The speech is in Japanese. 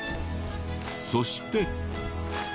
そして。